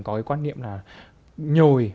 có cái quan niệm là nhồi